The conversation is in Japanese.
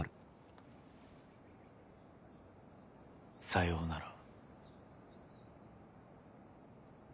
「さようなら」。